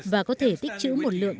và có thể tích chữ một lượng